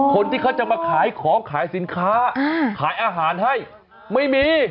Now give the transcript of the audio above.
คนที่เขาจะมาขายของขายสินค้าขายอาหารให้ไม่มี